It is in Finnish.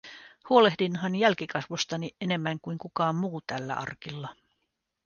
Huolehdinhan jälkikasvustani enemmän kuin kukaan muu tällä arkilla.